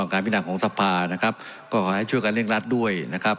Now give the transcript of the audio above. การพินาของสภานะครับก็ขอให้ช่วยกันเร่งรัดด้วยนะครับ